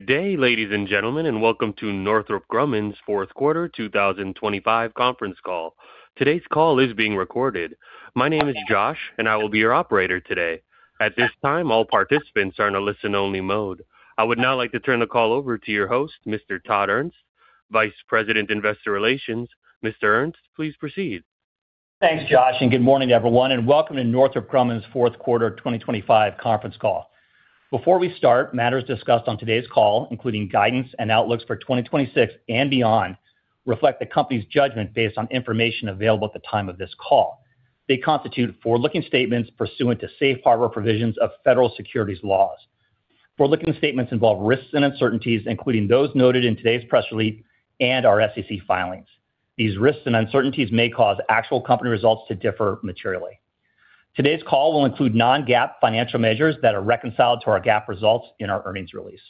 Today, ladies and gentlemen, and welcome to Northrop Grumman's fourth quarter 2025 conference call. Today's call is being recorded. My name is Josh, and I will be your operator today. At this time, all participants are in a listen-only mode. I would now like to turn the call over to your host, Mr. Todd Ernst, Vice President, Investor Relations. Mr. Ernst, please proceed. Thanks, Josh, and good morning, everyone, and welcome to Northrop Grumman's fourth quarter 2025 conference call. Before we start, matters discussed on today's call, including guidance and outlooks for 2026 and beyond, reflect the company's judgment based on information available at the time of this call. They constitute forward-looking statements pursuant to safe harbor provisions of federal securities laws. Forward-looking statements involve risks and uncertainties, including those noted in today's press release and our SEC filings. These risks and uncertainties may cause actual company results to differ materially. Today's call will include non-GAAP financial measures that are reconciled to our GAAP results in our earnings release.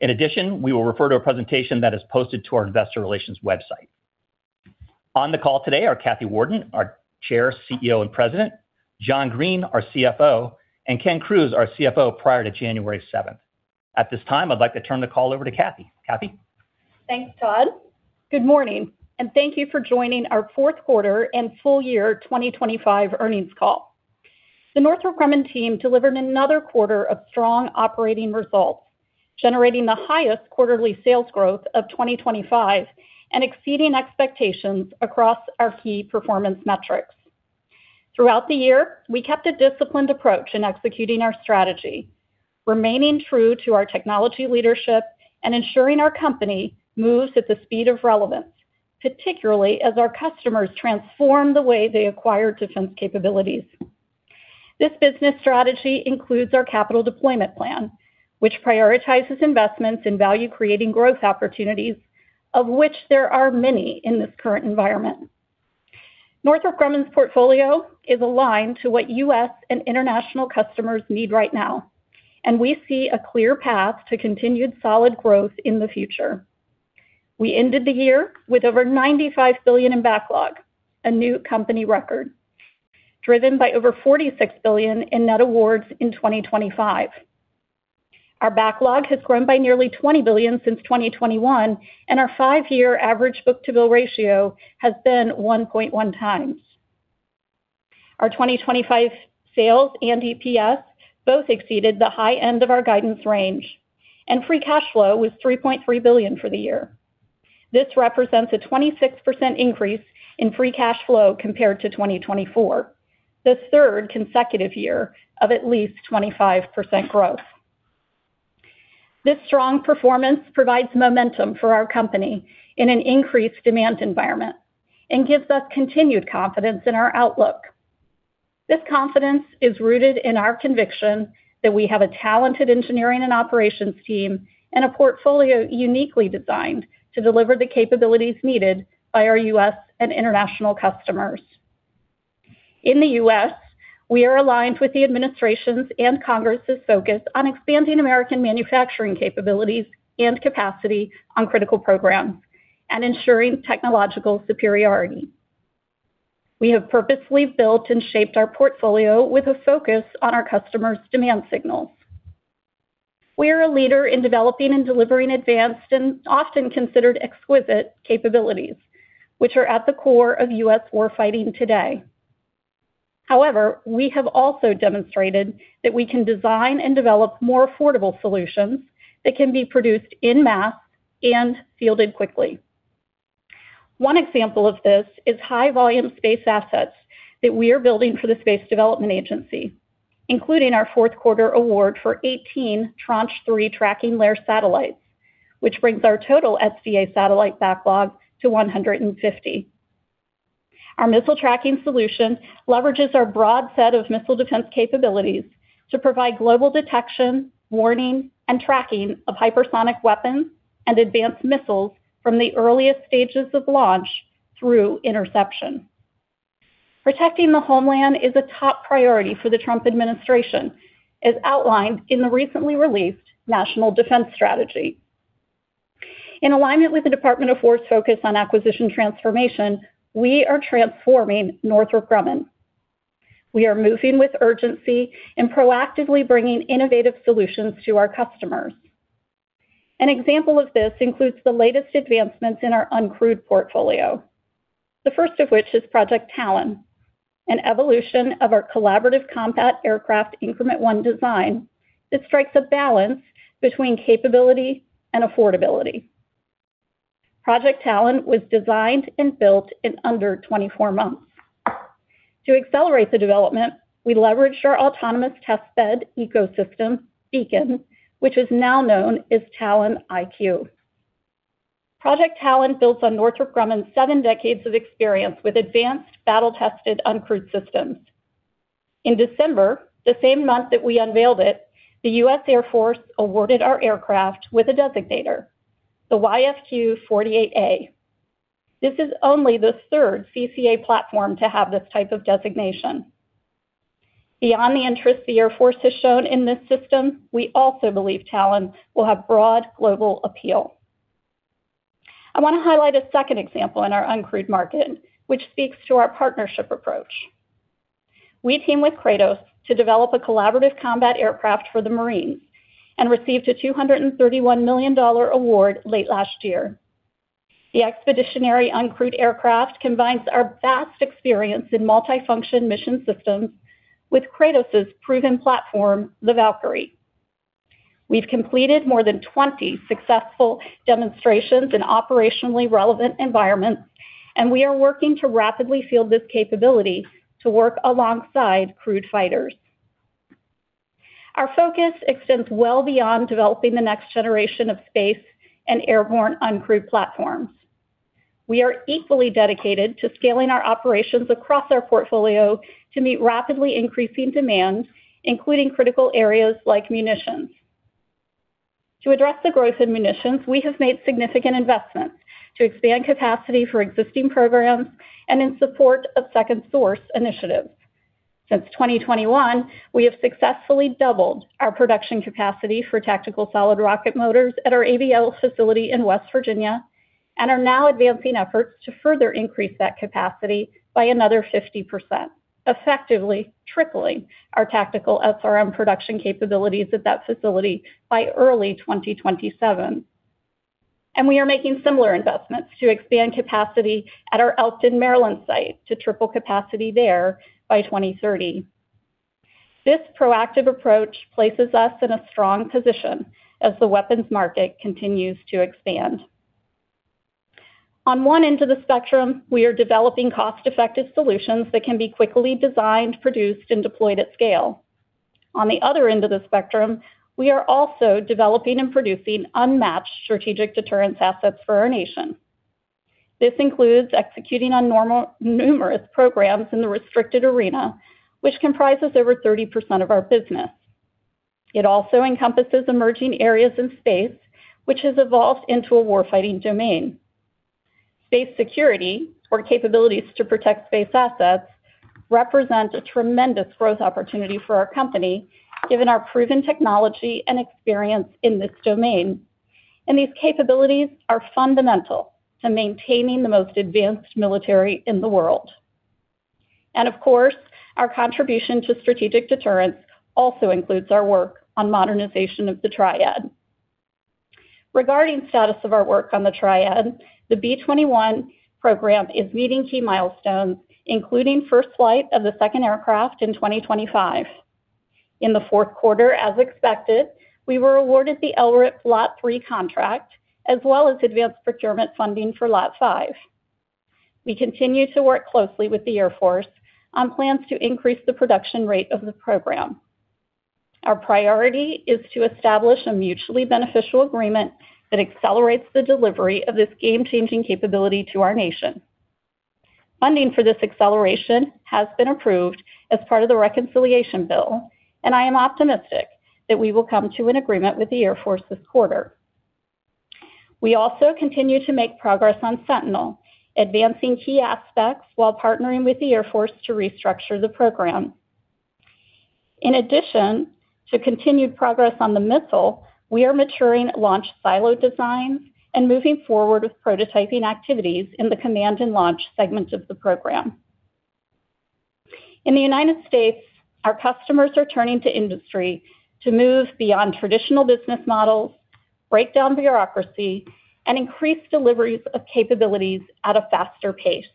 In addition, we will refer to a presentation that is posted to our Investor Relations website. On the call today are Kathy Warden, our Chair, CEO, and President, John Green, our CFO, and Ken Crews, our CFO, prior to January 7th. At this time, I'd like to turn the call over to Kathy. Kathy? Thanks, Todd. Good morning, and thank you for joining our fourth quarter and full year 2025 earnings call. The Northrop Grumman team delivered another quarter of strong operating results, generating the highest quarterly sales growth of 2025 and exceeding expectations across our key performance metrics. Throughout the year, we kept a disciplined approach in executing our strategy, remaining true to our technology leadership and ensuring our company moves at the speed of relevance, particularly as our customers transform the way they acquire defense capabilities. This business strategy includes our capital deployment plan, which prioritizes investments in value-creating growth opportunities, of which there are many in this current environment. Northrop Grumman's portfolio is aligned to what U.S. and international customers need right now, and we see a clear path to continued solid growth in the future. We ended the year with over $95 billion in backlog, a new company record, driven by over $46 billion in net awards in 2025. Our backlog has grown by nearly $20 billion since 2021, and our five-year average book-to-bill ratio has been 1.1x. Our 2025 sales and EPS both exceeded the high end of our guidance range, and free cash flow was $3.3 billion for the year. This represents a 26% increase in free cash flow compared to 2024, the third consecutive year of at least 25% growth. This strong performance provides momentum for our company in an increased demand environment and gives us continued confidence in our outlook. This confidence is rooted in our conviction that we have a talented engineering and operations team and a portfolio uniquely designed to deliver the capabilities needed by our U.S. and international customers. In the U.S., we are aligned with the administration's and Congress's focus on expanding American manufacturing capabilities and capacity on critical programs and ensuring technological superiority. We have purposely built and shaped our portfolio with a focus on our customers' demand signals. We are a leader in developing and delivering advanced and often considered exquisite capabilities, which are at the core of U.S. warfighting today. However, we have also demonstrated that we can design and develop more affordable solutions that can be produced in mass and fielded quickly. One example of this is high-volume space assets that we are building for the Space Development Agency, including our fourth quarter award for 18 Tranche 3 Tracking Layer satellites, which brings our total SDA satellite backlog to 150. Our missile tracking solution leverages our broad set of missile defense capabilities to provide global detection, warning, and tracking of hypersonic weapons and advanced missiles from the earliest stages of launch through interception. Protecting the homeland is a top priority for the Trump administration, as outlined in the recently released national defense strategy. In alignment with the Department of the Air Force's focus on acquisition transformation, we are transforming Northrop Grumman. We are moving with urgency and proactively bringing innovative solutions to our customers. An example of this includes the latest advancements in our uncrewed portfolio, the first of which is Project Talon, an evolution of our collaborative combat aircraft Increment One design that strikes a balance between capability and affordability. Project Talon was designed and built in under 24 months. To accelerate the development, we leveraged our autonomous testbed ecosystem, Beacon, which is now known as Talon IQ. Project Talon builds on Northrop Grumman's seven decades of experience with advanced, battle-tested uncrewed systems. In December, the same month that we unveiled it, the U.S. Air Force awarded our aircraft with a designator, the YFQ-48A. This is only the third CCA platform to have this type of designation. Beyond the interest the Air Force has shown in this system, we also believe Talon will have broad global appeal. I want to highlight a second example in our uncrewed market, which speaks to our partnership approach. We team with Kratos to develop a collaborative combat aircraft for the Marines and received a $231 million award late last year. The expeditionary uncrewed aircraft combines our vast experience in multifunction Mission Systems with Kratos' proven platform, the Valkyrie. We've completed more than 20 successful demonstrations in operationally relevant environments, and we are working to rapidly field this capability to work alongside crewed fighters. Our focus extends well beyond developing the next generation of space and airborne uncrewed platforms. We are equally dedicated to scaling our operations across our portfolio to meet rapidly increasing demand, including critical areas like munitions. To address the growth in munitions, we have made significant investments to expand capacity for existing programs and in support of second source initiatives. Since 2021, we have successfully doubled our production capacity for tactical solid rocket motors at our ABL facility in West Virginia and are now advancing efforts to further increase that capacity by another 50%, effectively tripling our tactical SRM production capabilities at that facility by early 2027. We are making similar investments to expand capacity at our Elkton, Maryland site to triple capacity there by 2030. This proactive approach places us in a strong position as the weapons market continues to expand. On one end of the spectrum, we are developing cost-effective solutions that can be quickly designed, produced, and deployed at scale. On the other end of the spectrum, we are also developing and producing unmatched strategic deterrence assets for our nation. This includes executing on numerous programs in the restricted arena, which comprises over 30% of our business. It also encompasses emerging areas in space, which has evolved into a warfighting domain. Space security, or capabilities to protect space assets, represents a tremendous growth opportunity for our company, given our proven technology and experience in this domain. These capabilities are fundamental to maintaining the most advanced military in the world. Of course, our contribution to strategic deterrence also includes our work on modernization of the Triad. Regarding the status of our work on the Triad, the B-21 program is meeting key milestones, including first flight of the second aircraft in 2025. In the fourth quarter, as expected, we were awarded the LRIP Lot 3 contract, as well as advanced procurement funding for Lot 5. We continue to work closely with the Air Force on plans to increase the production rate of the program. Our priority is to establish a mutually beneficial agreement that accelerates the delivery of this game-changing capability to our nation. Funding for this acceleration has been approved as part of the reconciliation bill, and I am optimistic that we will come to an agreement with the Air Force this quarter. We also continue to make progress on Sentinel, advancing key aspects while partnering with the Air Force to restructure the program. In addition to continued progress on the missile, we are maturing launch silo designs and moving forward with prototyping activities in the command and launch segment of the program. In the United States, our customers are turning to industry to move beyond traditional business models, break down bureaucracy, and increase deliveries of capabilities at a faster pace.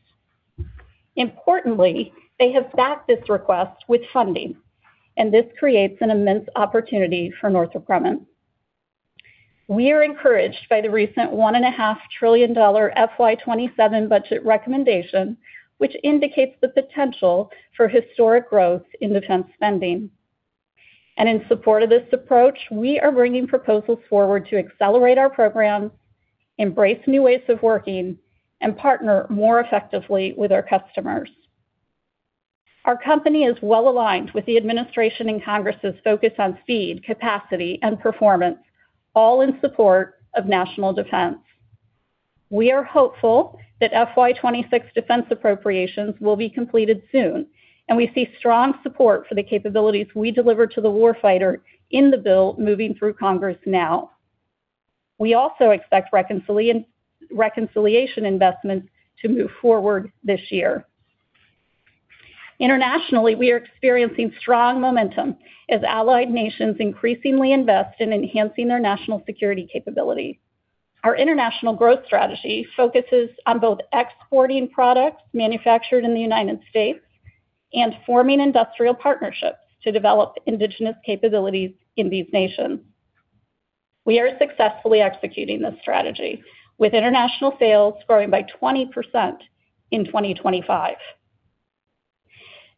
Importantly, they have backed this request with funding, and this creates an immense opportunity for Northrop Grumman. We are encouraged by the recent $1.5 trillion FY 2027 budget recommendation, which indicates the potential for historic growth in defense spending. In support of this approach, we are bringing proposals forward to accelerate our program, embrace new ways of working, and partner more effectively with our customers. Our company is well aligned with the administration and Congress's focus on speed, capacity, and performance, all in support of national defense. We are hopeful that FY 2026 defense appropriations will be completed soon, and we see strong support for the capabilities we deliver to the warfighter in the bill moving through Congress now. We also expect reconciliation investments to move forward this year. Internationally, we are experiencing strong momentum as allied nations increasingly invest in enhancing their national security capabilities. Our international growth strategy focuses on both exporting products manufactured in the United States and forming industrial partnerships to develop indigenous capabilities in these nations. We are successfully executing this strategy, with international sales growing by 20% in 2025.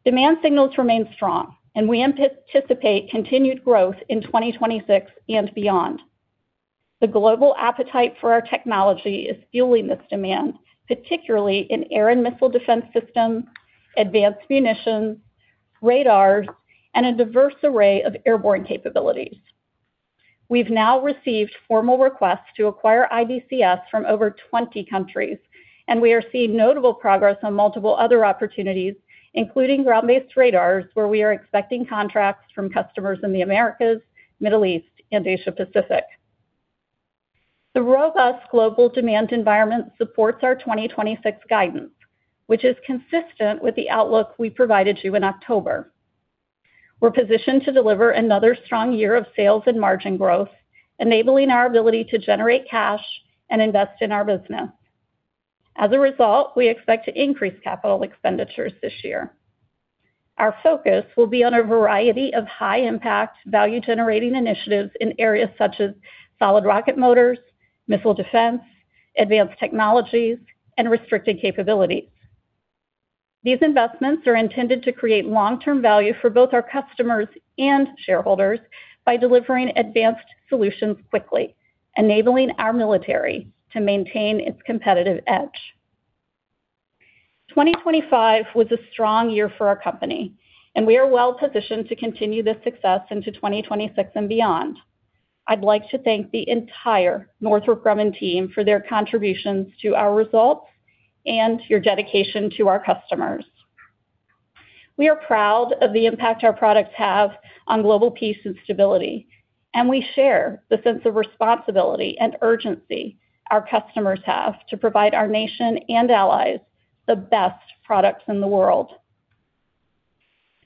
Demand signals remain strong, and we anticipate continued growth in 2026 and beyond. The global appetite for our technology is fueling this demand, particularly in air and missile defense systems, advanced munitions, radars, and a diverse array of airborne capabilities. We've now received formal requests to acquire IBCS from over 20 countries, and we are seeing notable progress on multiple other opportunities, including ground-based radars, where we are expecting contracts from customers in the Americas, Middle East, and Asia-Pacific. The robust global demand environment supports our 2026 guidance, which is consistent with the outlook we provided you in October. We're positioned to deliver another strong year of sales and margin growth, enabling our ability to generate cash and invest in our business. As a result, we expect to increase capital expenditures this year. Our focus will be on a variety of high-impact, value-generating initiatives in areas such as solid rocket motors, missile defense, advanced technologies, and restricted capabilities. These investments are intended to create long-term value for both our customers and shareholders by delivering advanced solutions quickly, enabling our military to maintain its competitive edge. 2025 was a strong year for our company, and we are well positioned to continue this success into 2026 and beyond. I'd like to thank the entire Northrop Grumman team for their contributions to our results and your dedication to our customers. We are proud of the impact our products have on global peace and stability, and we share the sense of responsibility and urgency our customers have to provide our nation and allies the best products in the world.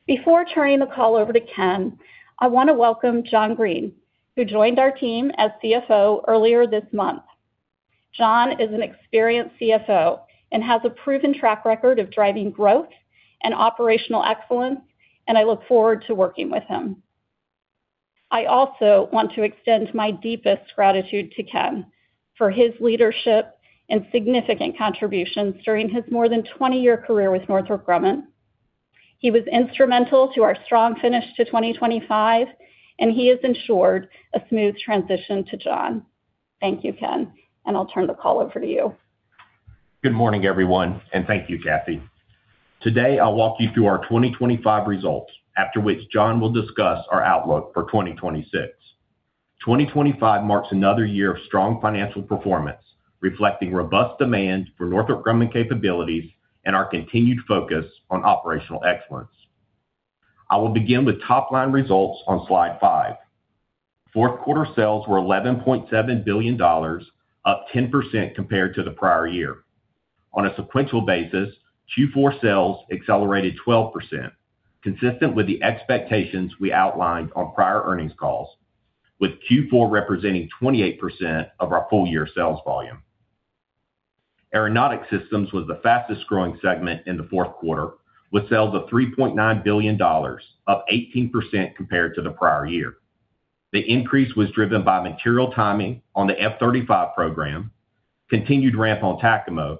Before turning the call over to Ken, I want to welcome John Green, who joined our team as CFO earlier this month. John is an experienced CFO and has a proven track record of driving growth and operational excellence, and I look forward to working with him. I also want to extend my deepest gratitude to Ken for his leadership and significant contributions during his more than 20-year career with Northrop Grumman. He was instrumental to our strong finish to 2025, and he has ensured a smooth transition to John. Thank you, Ken, and I'll turn the call over to you. Good morning, everyone, and thank you, Kathy. Today, I'll walk you through our 2025 results, after which John will discuss our outlook for 2026. 2025 marks another year of strong financial performance, reflecting robust demand for Northrop Grumman capabilities and our continued focus on operational excellence. I will begin with top-line results on slide five. Fourth quarter sales were $11.7 billion, up 10% compared to the prior year. On a sequential basis, Q4 sales accelerated 12%, consistent with the expectations we outlined on prior earnings calls, with Q4 representing 28% of our full-year sales volume. Aeronautics Systems was the fastest-growing segment in the fourth quarter, with sales of $3.9 billion, up 18% compared to the prior year. The increase was driven by material timing on the F-35 program, continued ramp on TACAMO,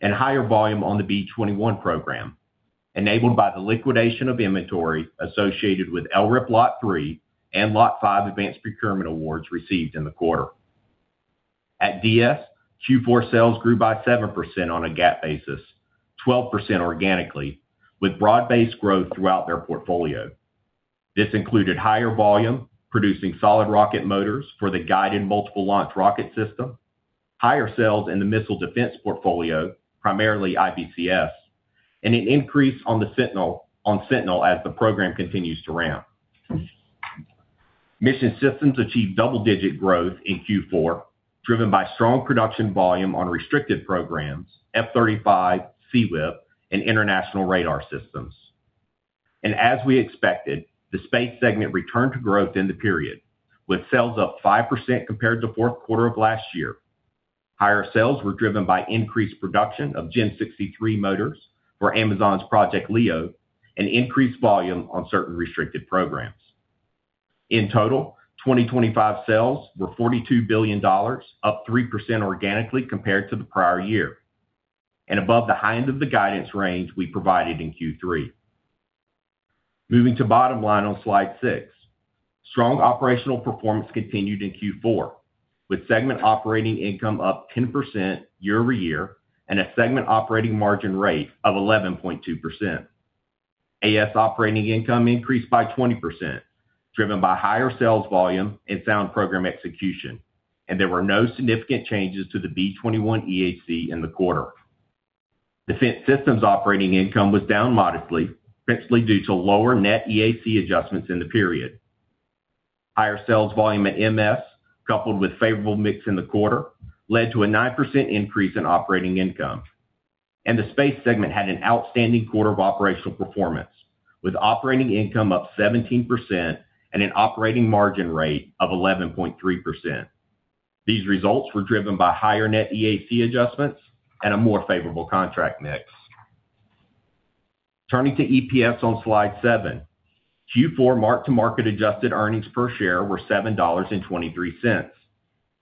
and higher volume on the B-21 program, enabled by the liquidation of inventory associated with LRIP Lot 3 and Lot 5 advanced procurement awards received in the quarter. At DS, Q4 sales grew by 7% on a GAAP basis, 12% organically, with broad-based growth throughout their portfolio. This included higher volume, producing solid rocket motors for the Guided Multiple Launch Rocket System, higher sales in the missile defense portfolio, primarily IBCS, and an increase on Sentinel as the program continues to ramp. Mission Systems achieved double-digit growth in Q4, driven by strong production volume on restricted programs, F-35, SEWIP, and international radar systems. And as we expected, the space segment returned to growth in the period, with sales up 5% compared to the fourth quarter of last year. Higher sales were driven by increased production of GEM 63 motors for Amazon's Project Leo and increased volume on certain restricted programs. In total, 2025 sales were $42 billion, up 3% organically compared to the prior year, and above the high end of the guidance range we provided in Q3. Moving to bottom line on slide 6, strong operational performance continued in Q4, with segment operating income up 10% year-over-year and a segment operating margin rate of 11.2%. AS operating income increased by 20%, driven by higher sales volume and sound program execution, and there were no significant changes to the B-21 EAC in the quarter. Defense Systems operating income was down modestly, principally due to lower net EAC adjustments in the period. Higher sales volume at MS, coupled with favorable mix in the quarter, led to a 9% increase in operating income. The space segment had an outstanding quarter of operational performance, with operating income up 17% and an operating margin rate of 11.3%. These results were driven by higher net EAC adjustments and a more favorable contract mix. Turning to EPS on slide seven, Q4 mark-to-market adjusted earnings per share were $7.23,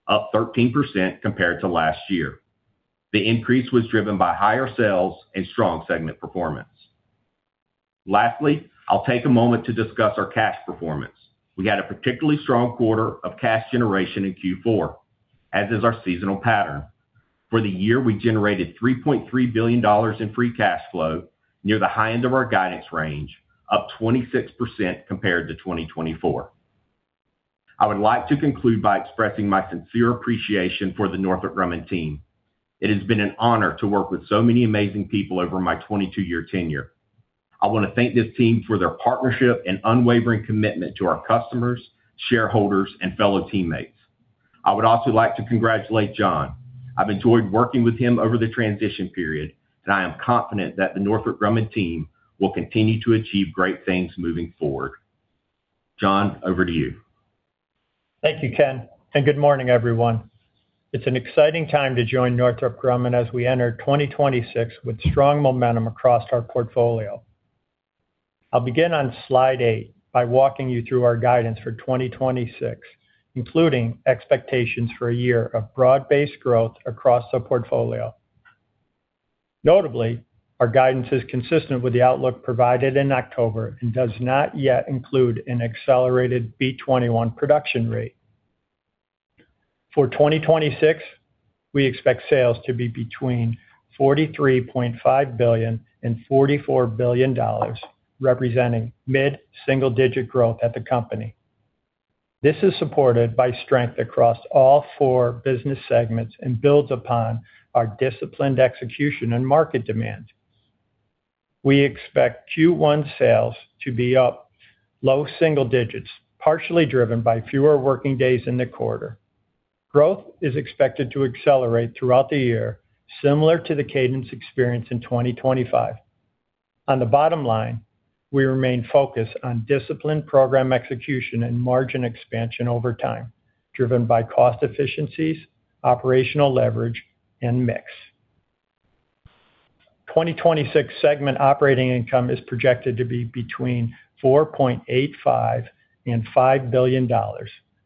up 13% compared to last year. The increase was driven by higher sales and strong segment performance. Lastly, I'll take a moment to discuss our cash performance. We had a particularly strong quarter of cash generation in Q4, as is our seasonal pattern. For the year, we generated $3.3 billion in free cash flow, near the high end of our guidance range, up 26% compared to 2024. I would like to conclude by expressing my sincere appreciation for the Northrop Grumman team. It has been an honor to work with so many amazing people over my 22-year tenure. I want to thank this team for their partnership and unwavering commitment to our customers, shareholders, and fellow teammates. I would also like to congratulate John. I've enjoyed working with him over the transition period, and I am confident that the Northrop Grumman team will continue to achieve great things moving forward. John, over to you. Thank you, Ken, and good morning, everyone. It's an exciting time to join Northrop Grumman as we enter 2026 with strong momentum across our portfolio. I'll begin on slide eight by walking you through our guidance for 2026, including expectations for a year of broad-based growth across the portfolio. Notably, our guidance is consistent with the outlook provided in October and does not yet include an accelerated B-21 production rate. For 2026, we expect sales to be between $43.5 billion-$44 billion, representing mid-single-digit growth at the company. This is supported by strength across all four business segments and builds upon our disciplined execution and market demand. We expect Q1 sales to be up low single digits, partially driven by fewer working days in the quarter. Growth is expected to accelerate throughout the year, similar to the cadence experienced in 2025. On the bottom line, we remain focused on disciplined program execution and margin expansion over time, driven by cost efficiencies, operational leverage, and mix. 2026 segment operating income is projected to be between $4.85 billion-$5 billion,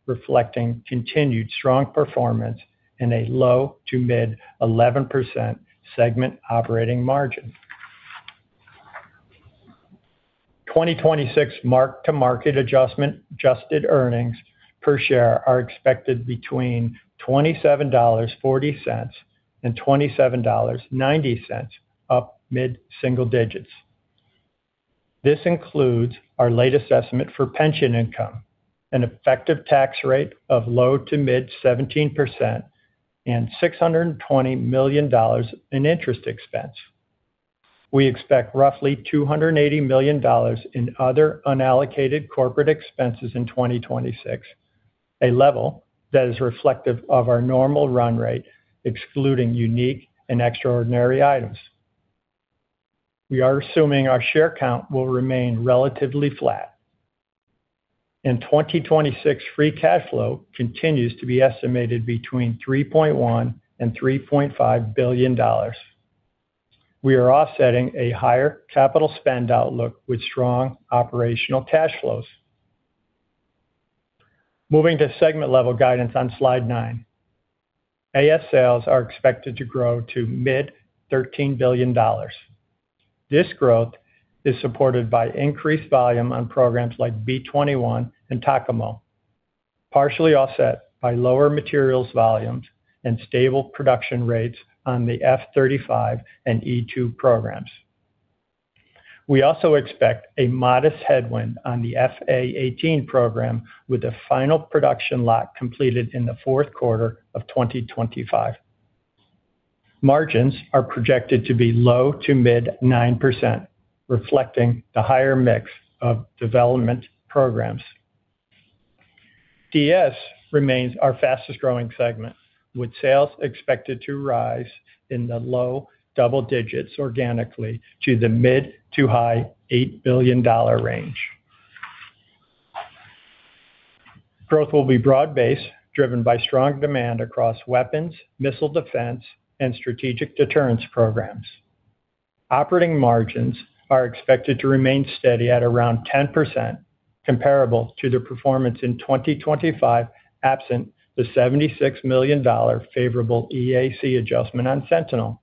reflecting continued strong performance and a low to mid 11% segment operating margin. 2026 mark-to-market adjusted earnings per share are expected between $27.40-$27.90, up mid-single digits. This includes our latest estimate for pension income, an effective tax rate of low to mid 17%, and $620 million in interest expense. We expect roughly $280 million in other unallocated corporate expenses in 2026, a level that is reflective of our normal run rate, excluding unique and extraordinary items. We are assuming our share count will remain relatively flat. In 2026, free cash flow continues to be estimated between $3.1 billion-$3.5 billion. We are offsetting a higher capital spend outlook with strong operational cash flows. Moving to segment-level guidance on slide nine, AS sales are expected to grow to mid $13 billion. This growth is supported by increased volume on programs like B-21 and TACAMO, partially offset by lower materials volumes and stable production rates on the F-35 and E-2 programs. We also expect a modest headwind on the F/A-18 program, with a final production lot completed in the fourth quarter of 2025. Margins are projected to be low to mid 9%, reflecting the higher mix of development programs. DS remains our fastest-growing segment, with sales expected to rise in the low double digits organically to the mid to high $8 billion range. Growth will be broad-based, driven by strong demand across weapons, missile defense, and strategic deterrence programs. Operating margins are expected to remain steady at around 10%, comparable to the performance in 2025, absent the $76 million favorable EAC adjustment on Sentinel.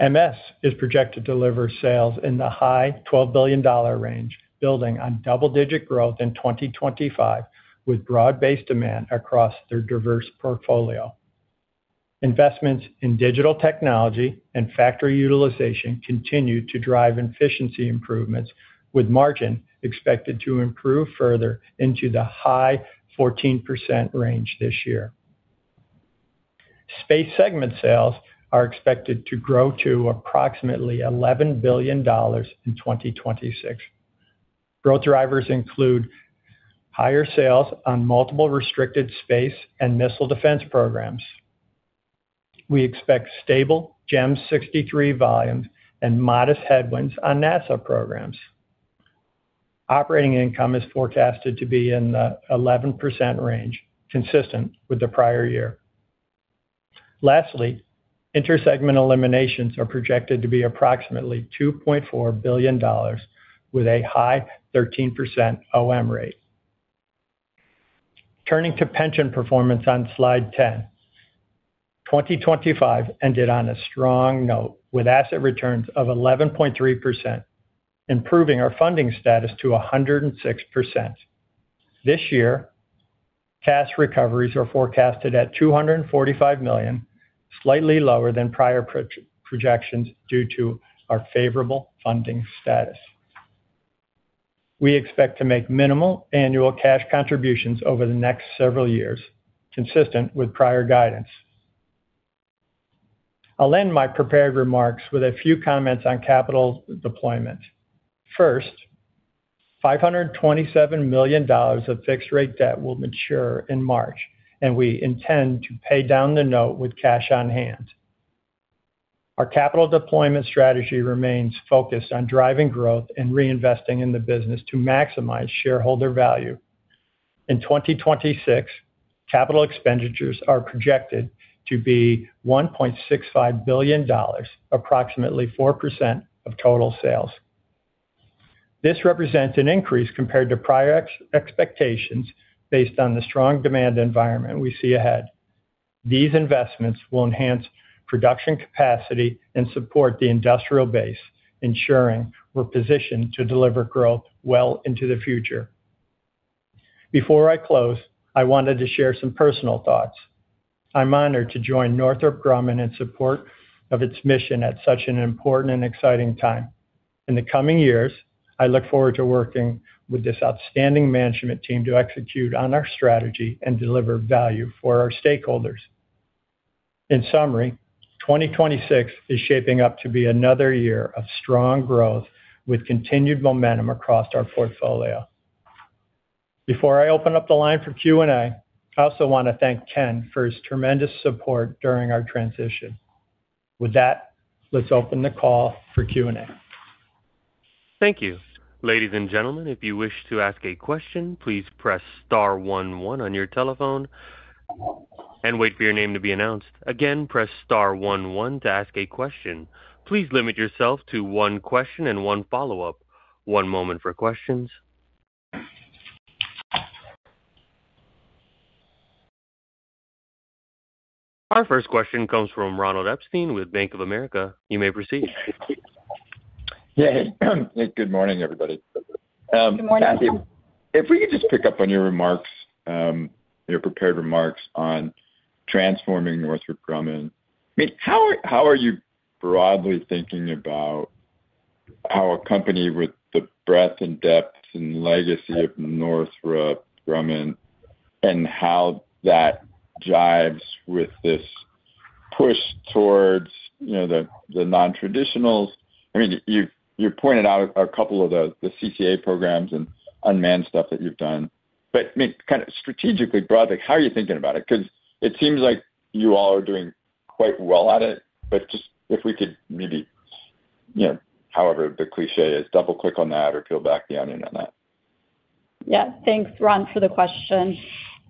MS is projected to deliver sales in the high $12 billion range, building on double-digit growth in 2025, with broad-based demand across their diverse portfolio. Investments in digital technology and factory utilization continue to drive efficiency improvements, with margin expected to improve further into the high 14% range this year. Space segment sales are expected to grow to approximately $11 billion in 2026. Growth drivers include higher sales on multiple restricted space and missile defense programs. We expect stable GEM 63 volumes and modest headwinds on NASA programs. Operating income is forecasted to be in the 11% range, consistent with the prior year. Lastly, intersegment eliminations are projected to be approximately $2.4 billion, with a high 13% OM rate. Turning to pension performance on slide 10, 2025 ended on a strong note, with asset returns of 11.3%, improving our funding status to 106%. This year, cash recoveries are forecasted at $245 million, slightly lower than prior projections due to our favorable funding status. We expect to make minimal annual cash contributions over the next several years, consistent with prior guidance. I'll end my prepared remarks with a few comments on capital deployment. First, $527 million of fixed-rate debt will mature in March, and we intend to pay down the note with cash on hand. Our capital deployment strategy remains focused on driving growth and reinvesting in the business to maximize shareholder value. In 2026, capital expenditures are projected to be $1.65 billion, approximately 4% of total sales. This represents an increase compared to prior expectations based on the strong demand environment we see ahead. These investments will enhance production capacity and support the industrial base, ensuring we're positioned to deliver growth well into the future. Before I close, I wanted to share some personal thoughts. I'm honored to join Northrop Grumman in support of its mission at such an important and exciting time. In the coming years, I look forward to working with this outstanding management team to execute on our strategy and deliver value for our stakeholders. In summary, 2026 is shaping up to be another year of strong growth with continued momentum across our portfolio. Before I open up the line for Q&A, I also want to thank Ken for his tremendous support during our transition. With that, let's open the call for Q&A. Thank you. Ladies and gentlemen, if you wish to ask a question, please press star one one on your telephone and wait for your name to be announced. Again, press star one one to ask a question. Please limit yourself to one question and one follow-up. One moment for questions. Our first question comes from Ronald Epstein with Bank of America. You may proceed. Hey, good morning, everybody. Good morning. Kathy. If we could just pick up on your remarks, your prepared remarks on transforming Northrop Grumman. I mean, how are you broadly thinking about how a company with the breadth and depth and legacy of Northrop Grumman and how that jives with this push towards the non-traditionals? I mean, you've pointed out a couple of the CCA programs and unmanned stuff that you've done. But I mean, kind of strategically, broadly, how are you thinking about it? Because it seems like you all are doing quite well at it, but just if we could maybe, however the cliché is, double-click on that or peel back the onion on that. Yeah, thanks, Ron, for the question.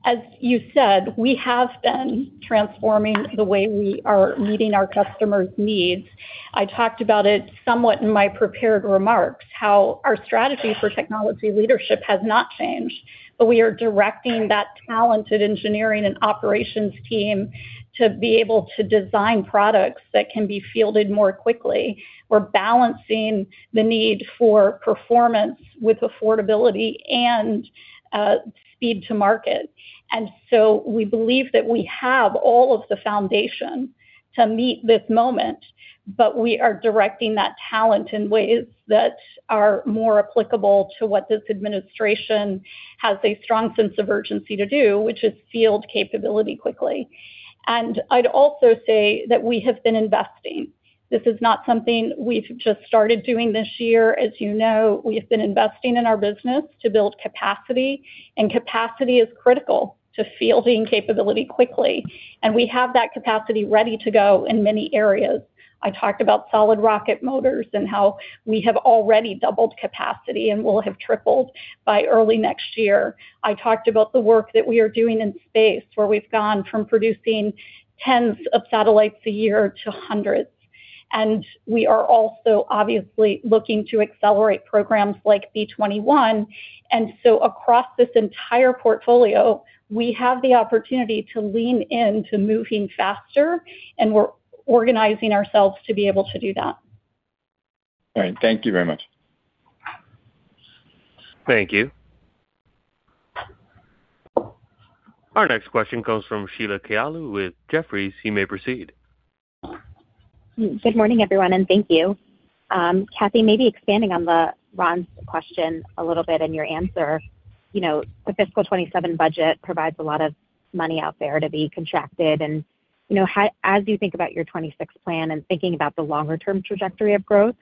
As you said, we have been transforming the way we are meeting our customers' needs. I talked about it somewhat in my prepared remarks, how our strategy for technology leadership has not changed, but we are directing that talented engineering and operations team to be able to design products that can be fielded more quickly. We're balancing the need for performance with affordability and speed to market. And so we believe that we have all of the foundation to meet this moment, but we are directing that talent in ways that are more applicable to what this administration has a strong sense of urgency to do, which is field capability quickly. I'd also say that we have been investing. This is not something we've just started doing this year. As you know, we have been investing in our business to build capacity, and capacity is critical to fielding capability quickly. We have that capacity ready to go in many areas. I talked about solid rocket motors and how we have already doubled capacity and will have tripled by early next year. I talked about the work that we are doing in space, where we've gone from producing tens of satellites a year to hundreds. We are also obviously looking to accelerate programs like B-21. So across this entire portfolio, we have the opportunity to lean into moving faster, and we're organizing ourselves to be able to do that. All right, thank you very much. Thank you. Our next question comes from Sheila Kahyaoglu with Jefferies. You may proceed. Good morning, everyone, and thank you. Kathy, maybe expanding on Ron's question a little bit in your answer. The fiscal 27 budget provides a lot of money out there to be contracted. And as you think about your 26 plan and thinking about the longer-term trajectory of growth,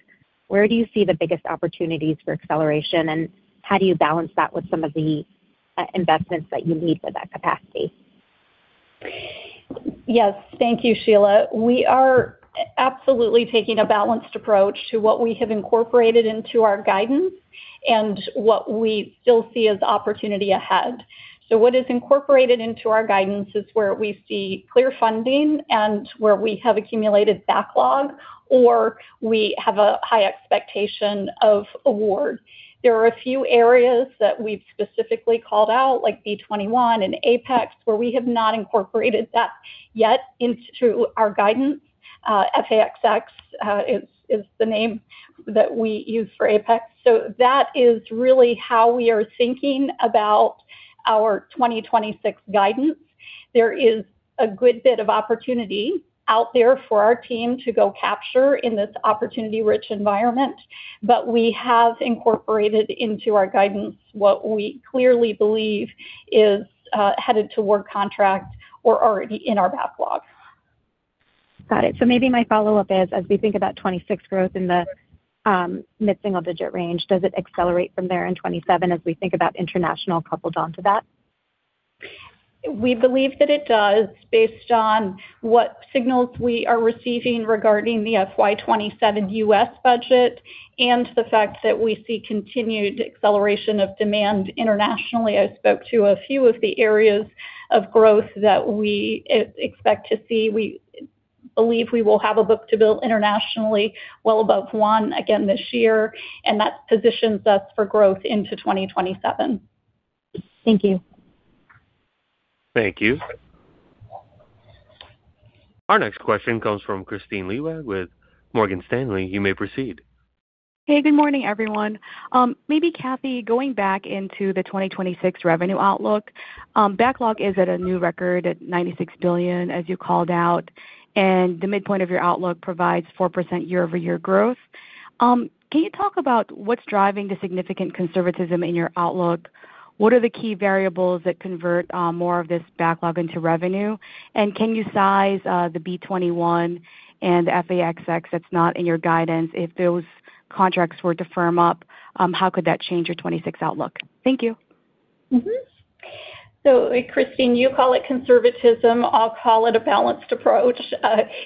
where do you see the biggest opportunities for acceleration, and how do you balance that with some of the investments that you need for that capacity? Yes, thank you, Sheila. We are absolutely taking a balanced approach to what we have incorporated into our guidance and what we still see as opportunity ahead. So what is incorporated into our guidance is where we see clear funding and where we have accumulated backlog, or we have a high expectation of award. There are a few areas that we've specifically called out, like B-21 and APEX, where we have not incorporated that yet into our guidance. F/A-XX is the name that we use for APEX. So that is really how we are thinking about our 2026 guidance. There is a good bit of opportunity out there for our team to go capture in this opportunity-rich environment, but we have incorporated into our guidance what we clearly believe is headed toward contract or already in our backlog. Got it. So maybe my follow-up is, as we think about 2026 growth in the mid-single digit range, does it accelerate from there in 2027 as we think about international coupled onto that? We believe that it does, based on what signals we are receiving regarding the FY 2027 U.S. budget and the fact that we see continued acceleration of demand internationally. I spoke to a few of the areas of growth that we expect to see. We believe we will have a book-to-bill internationally well above one again this year, and that positions us for growth into 2027. Thank you. Thank you. Our next question comes from Kristine Liwag with Morgan Stanley. You may proceed. Hey, good morning, everyone. Maybe, Kathy, going back into the 2026 revenue outlook, backlog is at a new record at $96 billion, as you called out, and the midpoint of your outlook provides 4% year-over-year growth. Can you talk about what's driving the significant conservatism in your outlook? What are the key variables that convert more of this backlog into revenue? And can you size the B-21 and the F/A-XX that's not in your guidance? If those contracts were to firm up, how could that change your 2026 outlook? Thank you. So, Kristine, you call it conservatism. I'll call it a balanced approach.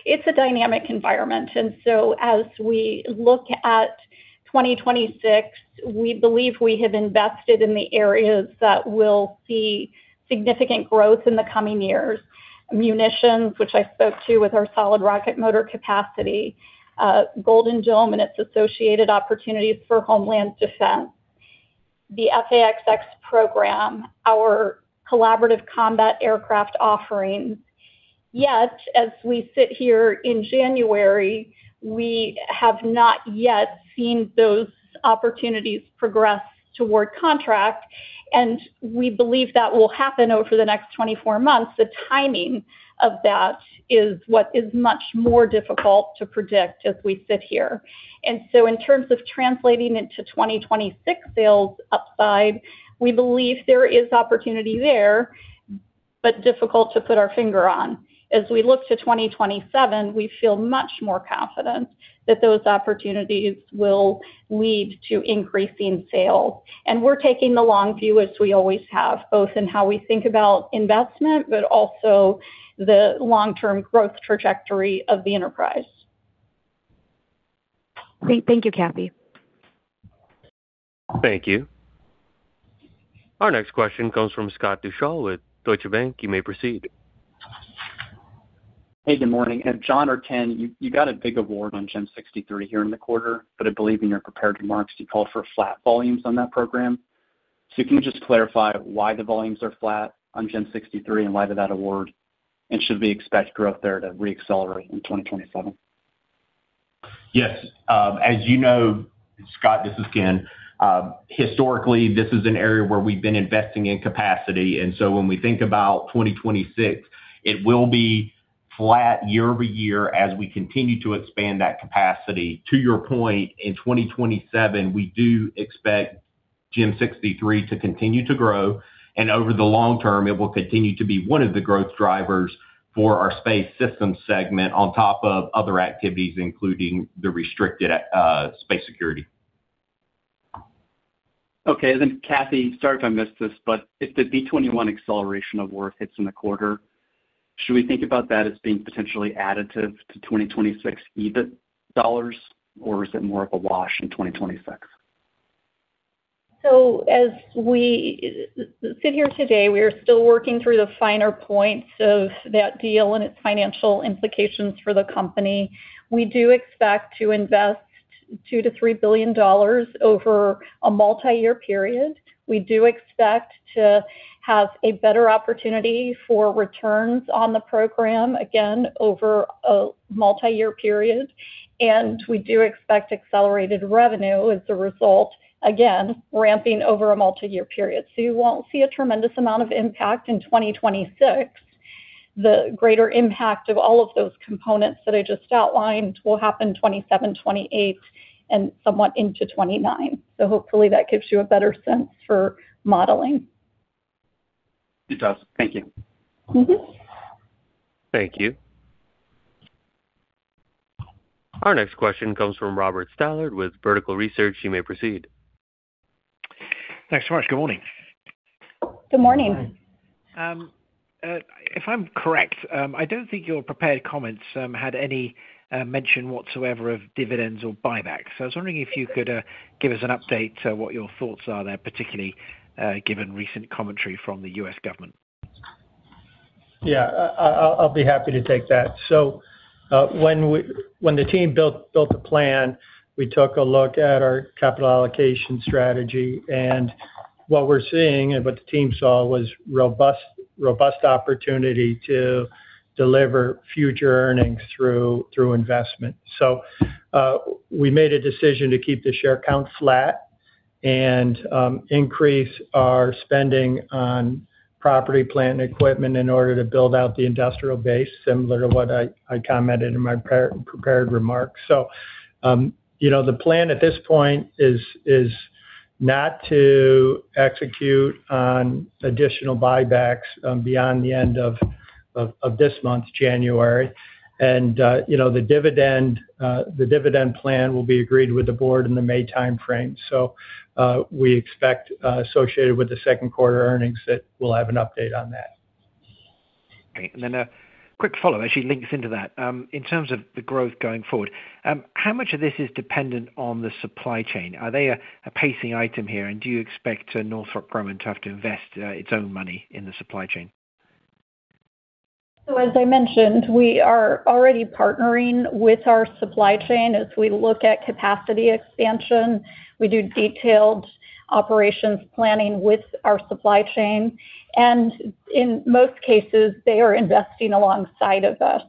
It's a dynamic environment. And so, as we look at 2026, we believe we have invested in the areas that will see significant growth in the coming years: munitions, which I spoke to with our solid rocket motor capacity. Golden Dome and its associated opportunities for homeland defense. The F/A-XX program. Our collaborative combat aircraft offerings. Yet, as we sit here in January, we have not yet seen those opportunities progress toward contract, and we believe that will happen over the next 24 months. The timing of that is what is much more difficult to predict as we sit here. And so, in terms of translating into 2026 sales upside, we believe there is opportunity there, but difficult to put our finger on. As we look to 2027, we feel much more confident that those opportunities will lead to increasing sales. And we're taking the long view, as we always have, both in how we think about investment, but also the long-term growth trajectory of the enterprise. Thank you, Kathy. Thank you. Our next question comes from Scott Deuschle with Deutsche Bank. You may proceed. Hey, good morning. At John or Ken, you got a big award on GEM 63 here in the quarter, but I believe in your prepared remarks, you called for flat volumes on that program. So can you just clarify why the volumes are flat on GEM 63 and why did that award, and should we expect growth there to re-accelerate in 2027? Yes. As you know, Scott, this is Ken. Historically, this is an area where we've been investing in capacity. So when we think about 2026, it will be flat year-over-year as we continue to expand that capacity. To your point, in 2027, we do expect GEM 63 to continue to grow. And over the long term, it will continue to be one of the growth drivers for our space system segment on top of other activities, including the restricted space security. Okay. And then, Kathy, sorry if I missed this, but if the B-21 acceleration award hits in the quarter, should we think about that as being potentially additive to 2026 EBIT dollars, or is it more of a wash in 2026? So as we sit here today, we are still working through the finer points of that deal and its financial implications for the company. We do expect to invest $2 billion-$3 billion over a multi-year period. We do expect to have a better opportunity for returns on the program, again, over a multi-year period. We do expect accelerated revenue as a result, again, ramping over a multi-year period. So you won't see a tremendous amount of impact in 2026. The greater impact of all of those components that I just outlined will happen in 2027, 2028, and somewhat into 2029. So hopefully that gives you a better sense for modeling. It does. Thank you. Thank you. Our next question comes from Robert Stallard with Vertical Research Partners. You may proceed. Thanks so much. Good morning. Good morning. If I'm correct, I don't think your prepared comments had any mention whatsoever of dividends or buybacks. So I was wondering if you could give us an update to what your thoughts are there, particularly given recent commentary from the U.S. government. Yeah, I'll be happy to take that. So when the team built the plan, we took a look at our capital allocation strategy, and what we're seeing and what the team saw was robust opportunity to deliver future earnings through investment. So we made a decision to keep the share count flat and increase our spending on property, plant, and equipment in order to build out the industrial base, similar to what I commented in my prepared remarks. So the plan at this point is not to execute on additional buybacks beyond the end of this month, January. And the dividend plan will be agreed with the board in the May timeframe. So we expect associated with the second quarter earnings that we'll have an update on that. And then a quick follow-up, actually links into that. In terms of the growth going forward, how much of this is dependent on the supply chain? Are they a pacing item here, and do you expect Northrop Grumman to have to invest its own money in the supply chain? So as I mentioned, we are already partnering with our supply chain as we look at capacity expansion. We do detailed operations planning with our supply chain. And in most cases, they are investing alongside of us.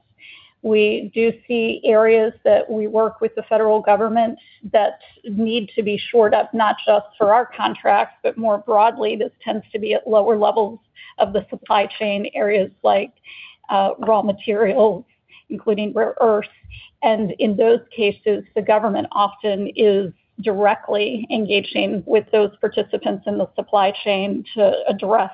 We do see areas that we work with the federal government that need to be shored up, not just for our contracts, but more broadly, this tends to be at lower levels of the supply chain, areas like raw materials, including rare earths. And in those cases, the government often is directly engaging with those participants in the supply chain to address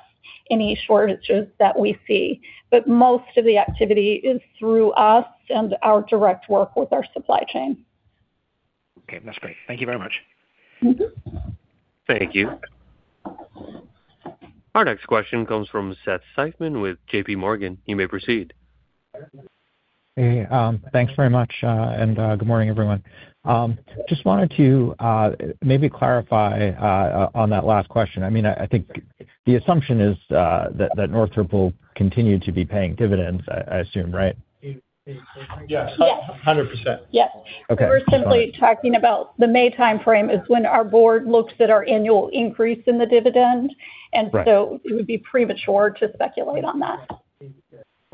any shortages that we see. But most of the activity is through us and our direct work with our supply chain. Okay. That's great. Thank you very much. Thank you. Our next question comes from Seth Seifman with JPMorgan. You may proceed. Hey, thanks very much. Good morning, everyone. Just wanted to maybe clarify on that last question. I mean, I think the assumption is that Northrop will continue to be paying dividends, I assume, right? Yes, 100%. Yes. We're simply talking about the May timeframe is when our board looks at our annual increase in the dividend. And so it would be premature to speculate on that.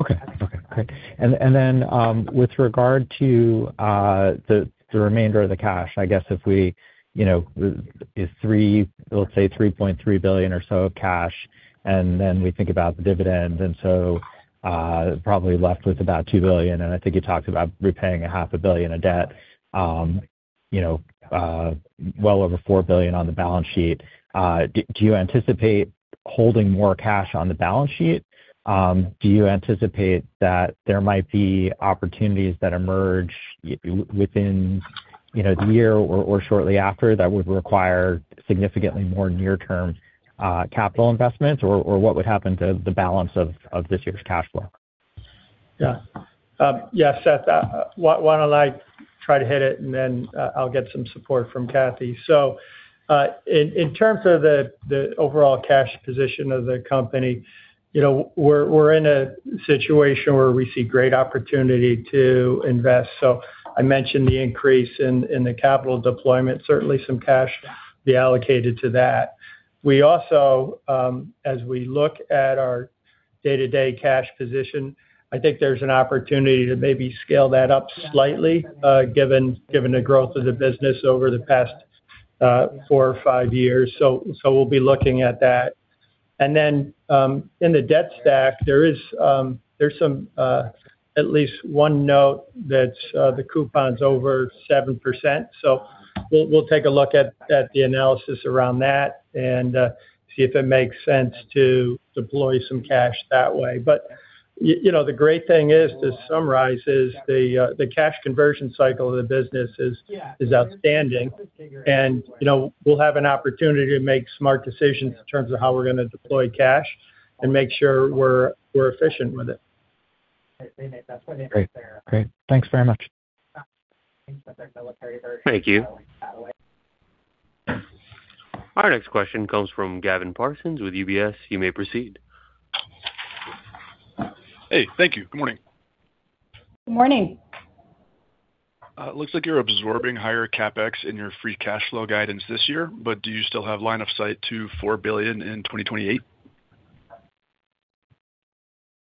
Okay. Okay. Great. And then with regard to the remainder of the cash, I guess we have $3, let's say $3.3 billion or so of cash, and then we think about the dividend, and so probably left with about $2 billion. And I think you talked about repaying a half a billion of debt, well over $4 billion on the balance sheet. Do you anticipate holding more cash on the balance sheet? Do you anticipate that there might be opportunities that emerge within the year or shortly after that would require significantly more near-term capital investments, or what would happen to the balance of this year's cash flow? Yeah. Yeah, Seth, why don't I try to hit it, and then I'll get some support from Kathy. So in terms of the overall cash position of the company, we're in a situation where we see great opportunity to invest. So I mentioned the increase in the capital deployment, certainly some cash to be allocated to that. We also, as we look at our day-to-day cash position, I think there's an opportunity to maybe scale that up slightly given the growth of the business over the past four or five years. So we'll be looking at that. And then in the debt stack, there is at least one note that the coupon's over 7%. So we'll take a look at the analysis around that and see if it makes sense to deploy some cash that way. But the great thing is, to summarize, is the cash conversion cycle of the business is outstanding. And we'll have an opportunity to make smart decisions in terms of how we're going to deploy cash and make sure we're efficient with it. Great. Thanks very much. Thank you. Our next question comes from Gavin Parsons with UBS. You may proceed. Hey, thank you. Good morning. Good morning. Looks like you're absorbing higher CapEx in your free cash flow guidance this year, but do you still have line of sight to $4 billion in 2028?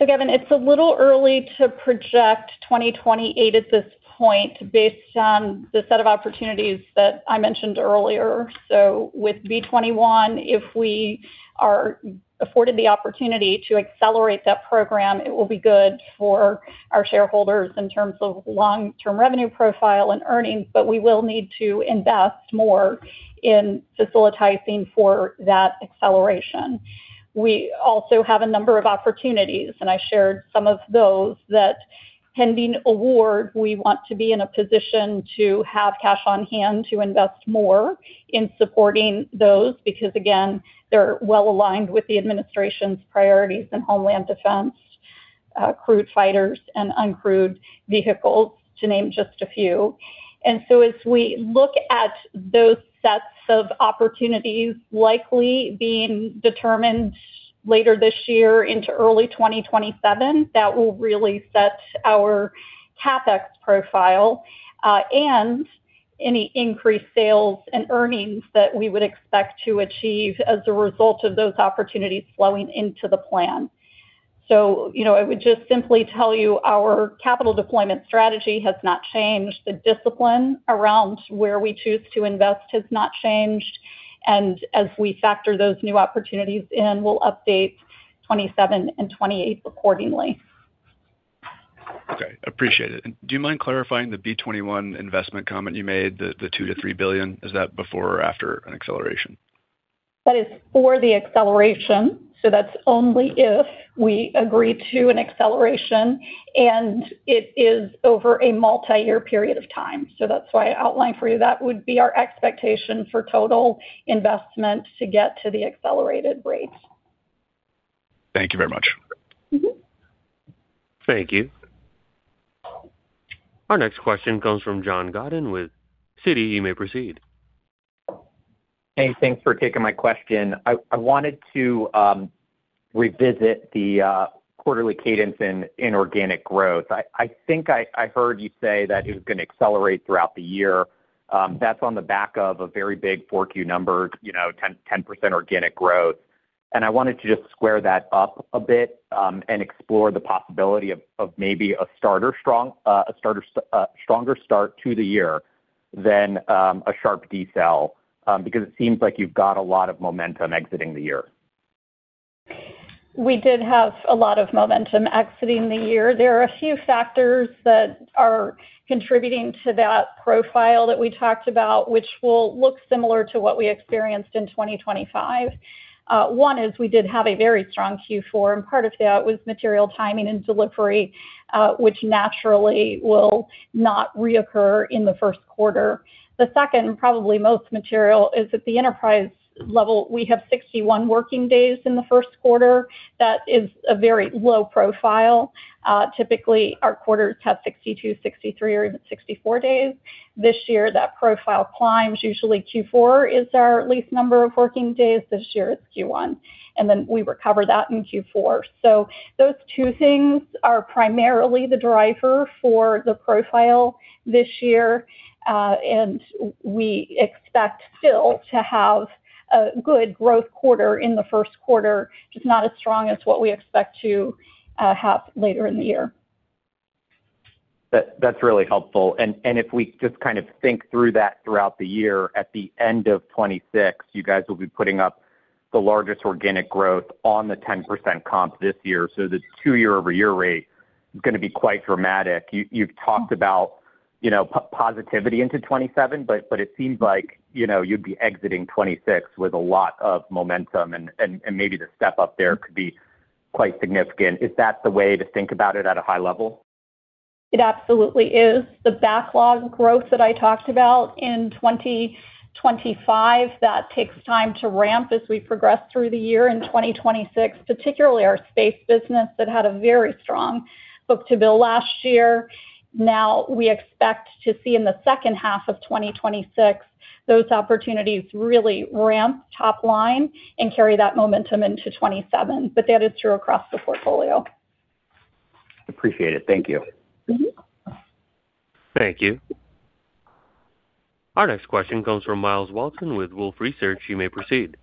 So Gavin, it's a little early to project 2028 at this point based on the set of opportunities that I mentioned earlier. So with B-21, if we are afforded the opportunity to accelerate that program, it will be good for our shareholders in terms of long-term revenue profile and earnings, but we will need to invest more in facilitating for that acceleration. We also have a number of opportunities, and I shared some of those that pending award, we want to be in a position to have cash on hand to invest more in supporting those because, again, they're well aligned with the administration's priorities in homeland defense, crewed fighters, and uncrewed vehicles, to name just a few. And so as we look at those sets of opportunities likely being determined later this year into early 2027, that will really set our CapEx profile and any increased sales and earnings that we would expect to achieve as a result of those opportunities flowing into the plan. So I would just simply tell you our capital deployment strategy has not changed. The discipline around where we choose to invest has not changed. And as we factor those new opportunities in, we'll update 2027 and 2028 accordingly. Okay. Appreciate it. Do you mind clarifying the B-21 investment comment you made, the $2 billion-$3 billion? Is that before or after an acceleration? That is for the acceleration. So that's only if we agree to an acceleration, and it is over a multi-year period of time. So that's why I outlined for you that would be our expectation for total investment to get to the accelerated rates. Thank you very much. Thank you. Our next question comes from John Godyn with Citi. You may proceed. Hey, thanks for taking my question. I wanted to revisit the quarterly cadence in organic growth. I think I heard you say that it was going to accelerate throughout the year. That's on the back of a very big Q4 number, 10% organic growth. And I wanted to just square that up a bit and explore the possibility of maybe a stronger start to the year than a sharp decel because it seems like you've got a lot of momentum exiting the year. We did have a lot of momentum exiting the year. There are a few factors that are contributing to that profile that we talked about, which will look similar to what we experienced in 2025. One is we did have a very strong Q4, and part of that was material timing and delivery, which naturally will not reoccur in the first quarter. The second, probably most material, is at the enterprise level. We have 61 working days in the first quarter. That is a very low profile. Typically, our quarters have 62, 63, or even 64 days. This year, that profile climbs. Usually, Q4 is our least number of working days. This year, it's Q1. And then we recover that in Q4. So those two things are primarily the driver for the profile this year. We expect still to have a good growth quarter in the first quarter, just not as strong as what we expect to have later in the year. That's really helpful. And if we just kind of think through that throughout the year, at the end of 2026, you guys will be putting up the largest organic growth on the 10% comp this year. So the two-year-over-year rate is going to be quite dramatic. You've talked about positivity into 2027, but it seems like you'd be exiting 2026 with a lot of momentum, and maybe the step up there could be quite significant. Is that the way to think about it at a high level? It absolutely is. The backlog growth that I talked about in 2025, that takes time to ramp as we progress through the year. In 2026, particularly our space business that had a very strong book-to-bill last year. Now, we expect to see in the second half of 2026, those opportunities really ramp top line and carry that momentum into 2027. But that is true across the portfolio. Appreciate it. Thank you. Thank you. Our next question comes from Myles Walton with Wolfe Research. You may proceed.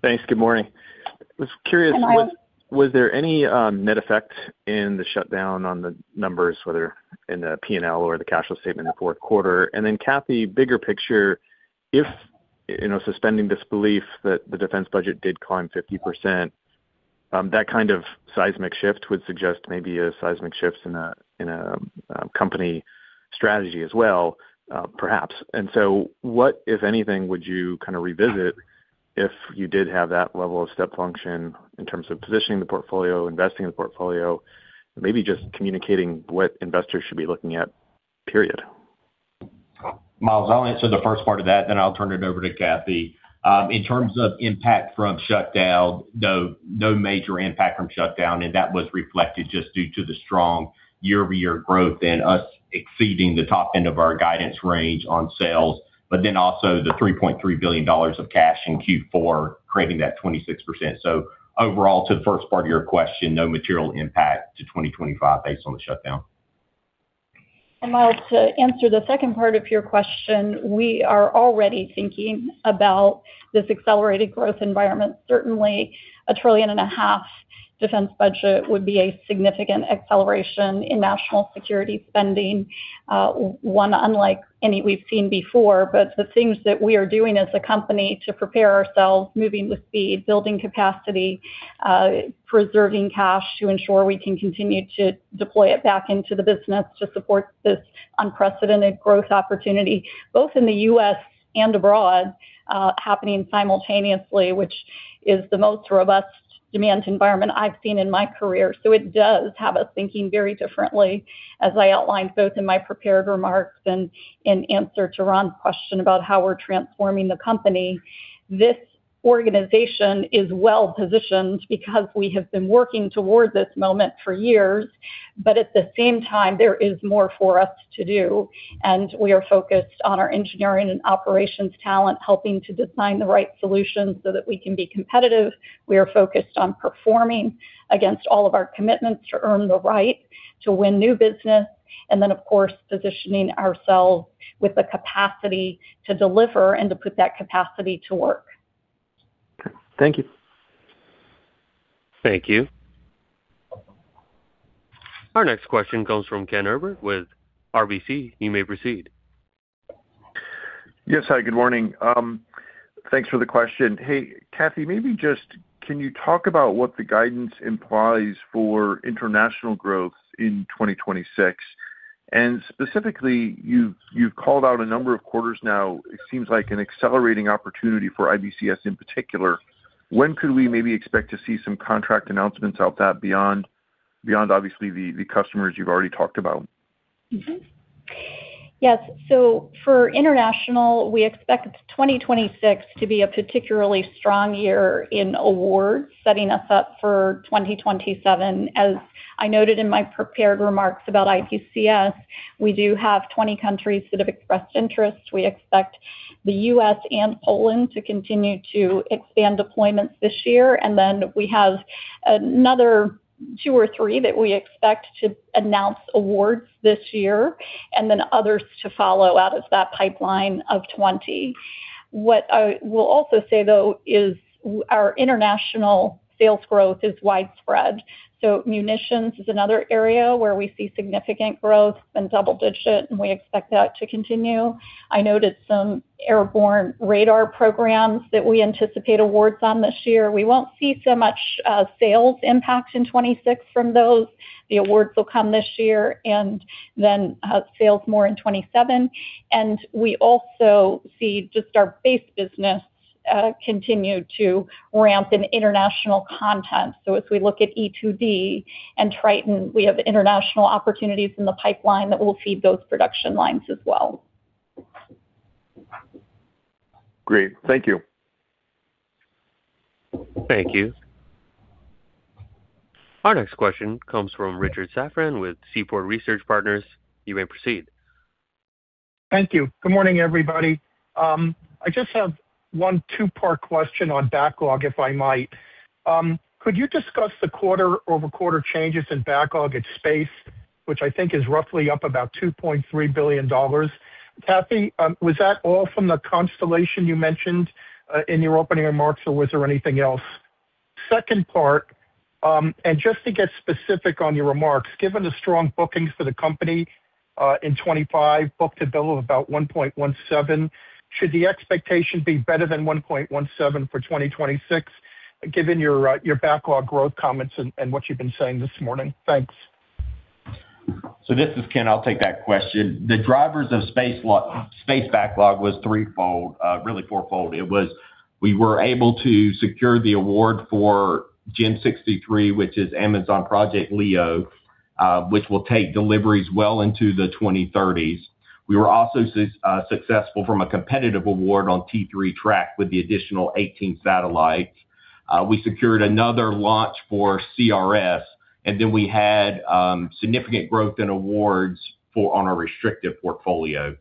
Thanks. Good morning. I was curious, was there any net effect in the shutdown on the numbers, whether in the P&L or the cash flow statement in the fourth quarter? And then Kathy, bigger picture, if suspending disbelief that the defense budget did climb 50%, that kind of seismic shift would suggest maybe a seismic shift in a company strategy as well, perhaps. And so what, if anything, would you kind of revisit if you did have that level of step function in terms of positioning the portfolio, investing in the portfolio, maybe just communicating what investors should be looking at, period? Myles, I'll answer the first part of that, then I'll turn it over to Kathy. In terms of impact from shutdown, no major impact from shutdown, and that was reflected just due to the strong year-over-year growth and us exceeding the top end of our guidance range on sales, but then also the $3.3 billion of cash in Q4, creating that 26%. So overall, to the first part of your question, no material impact to 2025 based on the shutdown. And Myles, to answer the second part of your question, we are already thinking about this accelerated growth environment. Certainly, a $1.5 trillion defense budget would be a significant acceleration in national security spending, one unlike any we've seen before. But the things that we are doing as a company to prepare ourselves, moving with speed, building capacity, preserving cash to ensure we can continue to deploy it back into the business to support this unprecedented growth opportunity, both in the U.S. and abroad, happening simultaneously, which is the most robust demand environment I've seen in my career. So it does have us thinking very differently, as I outlined both in my prepared remarks and in answer to Ron's question about how we're transforming the company. This organization is well positioned because we have been working toward this moment for years, but at the same time, there is more for us to do. And we are focused on our engineering and operations talent, helping to design the right solutions so that we can be competitive. We are focused on performing against all of our commitments to earn the right to win new business, and then, of course, positioning ourselves with the capacity to deliver and to put that capacity to work. Thank you. Thank you. Our next question comes from Ken Herbert with RBC. You may proceed. Yes, hi. Good morning. Thanks for the question. Hey, Kathy, maybe just can you talk about what the guidance implies for international growth in 2026? And specifically, you've called out a number of quarters now. It seems like an accelerating opportunity for IBCS in particular. When could we maybe expect to see some contract announcements out that beyond, obviously, the customers you've already talked about? Yes. So for international, we expect 2026 to be a particularly strong year in awards, setting us up for 2027. As I noted in my prepared remarks about IBCS, we do have 20 countries that have expressed interest. We expect the U.S. and Poland to continue to expand deployments this year. And then we have another two or three that we expect to announce awards this year, and then others to follow out of that pipeline of 20. What I will also say, though, is our international sales growth is widespread. So munitions is another area where we see significant growth and double-digit, and we expect that to continue. I noted some airborne radar programs that we anticipate awards on this year. We won't see so much sales impact in 2026 from those. The awards will come this year and then sales more in 2027. And we also see just our base business continue to ramp in international content. So as we look at E-2D and Triton, we have international opportunities in the pipeline that will feed those production lines as well. Great. Thank you. Thank you. Our next question comes from Richard Safran with Seaport Research Partners. You may proceed. Thank you. Good morning, everybody. I just have one two-part question on backlog, if I might. Could you discuss the quarter-over-quarter changes in backlog at space, which I think is roughly up about $2.3 billion? Kathy, was that all from the constellation you mentioned in your opening remarks, or was there anything else? Second part, and just to get specific on your remarks, given the strong bookings for the company in 2025, book-to-bill of about 1.17, should the expectation be better than 1.17 for 2026, given your backlog growth comments and what you've been saying this morning? Thanks. So this is Ken. I'll take that question. The drivers of space backlog was threefold, really fourfold. It was we were able to secure the award for GEM 63, which is Amazon Project LEO, which will take deliveries well into the 2030s. We were also successful from a competitive award on Tranche 3 Tracking Layer with the additional 18 satellites. We secured another launch for CRS, and then we had significant growth in awards on our restrictive portfolio.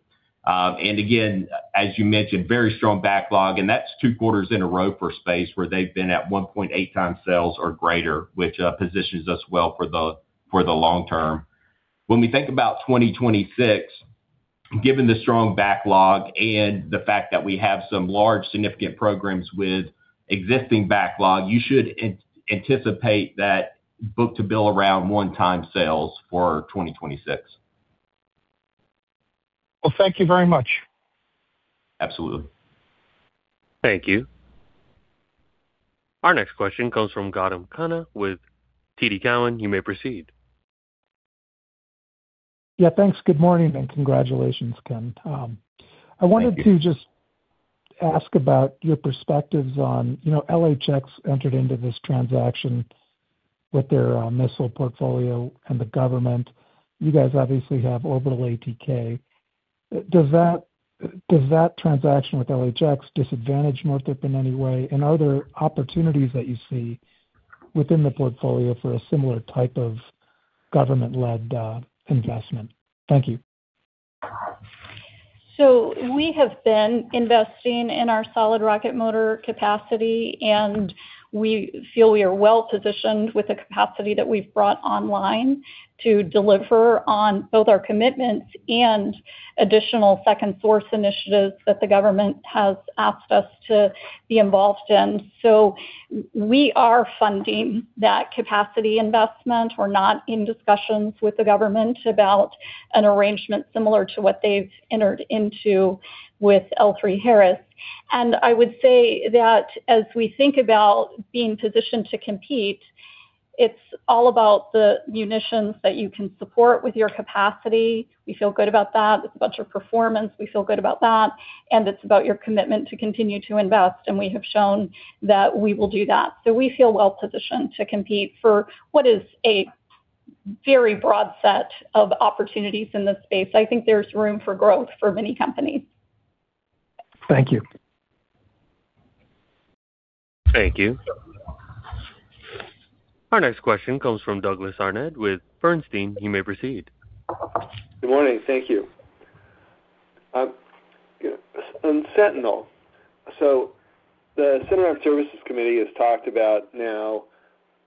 And again, as you mentioned, very strong backlog, and that's two quarters in a row for space where they've been at 1.8x sales or greater, which positions us well for the long term. When we think about 2026, given the strong backlog and the fact that we have some large significant programs with existing backlog, you should anticipate that book-to-bill around 1x sales for 2026. Well, thank you very much. Absolutely. Thank you. Our next question comes from Gautam Khanna with TD Cowen. You may proceed. Yeah, thanks. Good morning and congratulations, Ken. I wanted to just ask about your perspectives on LHX entered into this transaction with their missile portfolio and the government. You guys obviously have Orbital ATK. Does that transaction with LHX disadvantage Northrop in any way? And are there opportunities that you see within the portfolio for a similar type of government-led investment? Thank you. We have been investing in our solid rocket motor capacity, and we feel we are well positioned with the capacity that we've brought online to deliver on both our commitments and additional second-source initiatives that the government has asked us to be involved in. We are funding that capacity investment. We're not in discussions with the government about an arrangement similar to what they've entered into with L3Harris. I would say that as we think about being positioned to compete, it's all about the munitions that you can support with your capacity. We feel good about that. It's a bunch of performance. We feel good about that. It's about your commitment to continue to invest. We have shown that we will do that. We feel well positioned to compete for what is a very broad set of opportunities in this space. I think there's room for growth for many companies. Thank you. Thank you. Our next question comes from Douglas Harned with Bernstein. You may proceed. Good morning. Thank you. On Sentinel, so the Senate Armed Services Committee has talked about now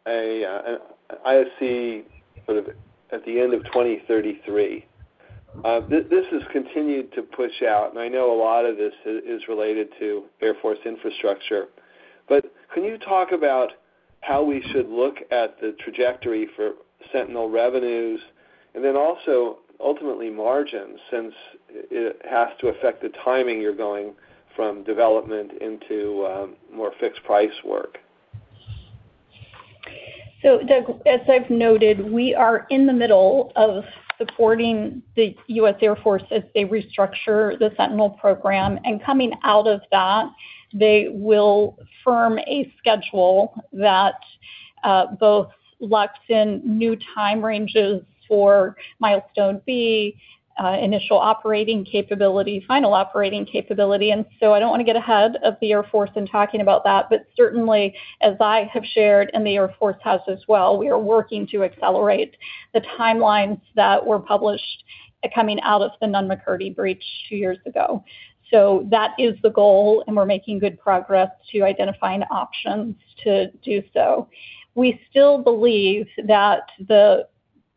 an IOC sort of at the end of 2033. This has continued to push out, and I know a lot of this is related to Air Force infrastructure. But can you talk about how we should look at the trajectory for Sentinel revenues and then also ultimately margins since it has to affect the timing you're going from development into more fixed price work? So as I've noted, we are in the middle of supporting the U.S. Air Force as they restructure the Sentinel program. Coming out of that, they will firm a schedule that both locks in new time ranges for milestone B, initial operating capability, final operating capability. So I don't want to get ahead of the Air Force in talking about that, but certainly, as I have shared and the Air Force has as well, we are working to accelerate the timelines that were published coming out of the Nunn-McCurdy breach two years ago. That is the goal, and we're making good progress to identifying options to do so. We still believe that the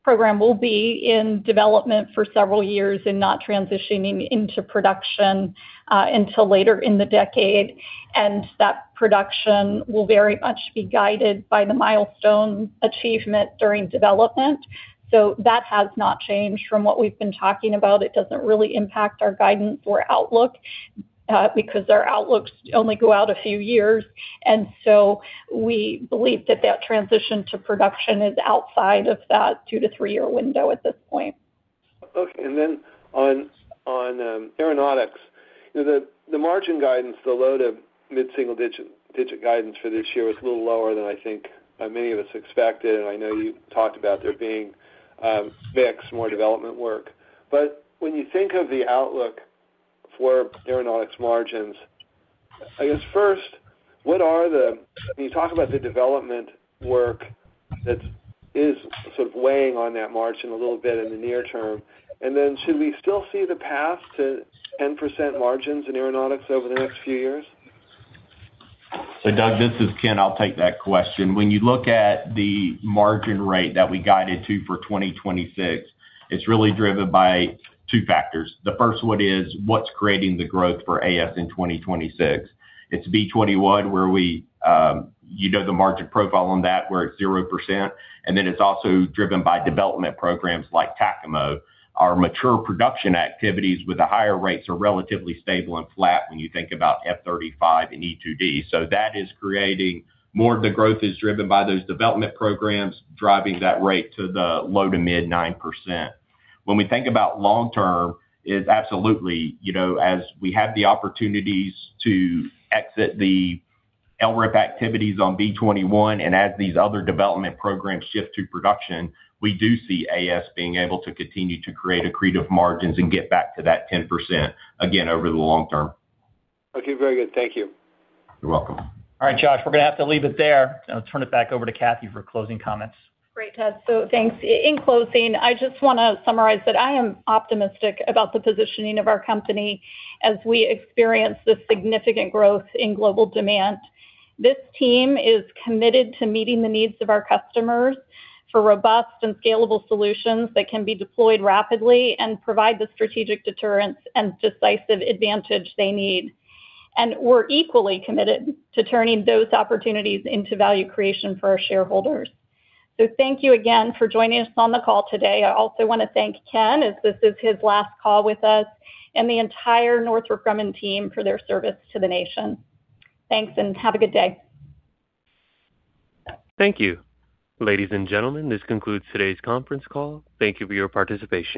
program will be in development for several years and not transitioning into production until later in the decade. That production will very much be guided by the milestone achievement during development. That has not changed from what we've been talking about. It doesn't really impact our guidance or outlook because our outlooks only go out a few years. And so we believe that that transition to production is outside of that two- to three-year window at this point. Okay. And then on aeronautics, the margin guidance, the low- to mid-single-digit guidance for this year was a little lower than I think many of us expected. And I know you talked about there being mixed more development work. But when you think of the outlook for aeronautics margins, I guess first, what are the, can you talk about the development work that is sort of weighing on that margin a little bit in the near term? And then should we still see the path to 10% margins in aeronautics over the next few years? So Doug, this is Ken. I'll take that question. When you look at the margin rate that we guided to for 2026, it's really driven by two factors. The first one is what's creating the growth for AS in 2026. It's B-21, where you know the margin profile on that, where it's 0%. And then it's also driven by development programs like TACAMO. Our mature production activities with the higher rates are relatively stable and flat when you think about F-35 and E-2D. So that is creating more of the growth is driven by those development programs driving that rate to the low to mid 9%. When we think about long-term, it's absolutely as we have the opportunities to exit the LRIP activities on B-21, and as these other development programs shift to production, we do see AS being able to continue to create accretive margins and get back to that 10% again over the long term. Okay. Very good. Thank you. You're welcome. All right, Josh, we're going to have to leave it there. I'll turn it back over to Kathy for closing comments. Great, Todd. So thanks. In closing, I just want to summarize that I am optimistic about the positioning of our company as we experience this significant growth in global demand. This team is committed to meeting the needs of our customers for robust and scalable solutions that can be deployed rapidly and provide the strategic deterrence and decisive advantage they need. We're equally committed to turning those opportunities into value creation for our shareholders. So thank you again for joining us on the call today. I also want to thank Ken as this is his last call with us and the entire Northrop Grumman team for their service to the nation. Thanks and have a good day. Thank you. Ladies and gentlemen, this concludes today's conference call. Thank you for your participation.